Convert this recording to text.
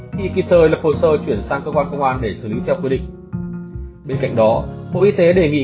thì kịp thời lập hồ sơ chuyển sang cơ quan công an để xử lý theo quy định bên cạnh đó bộ y tế đề nghị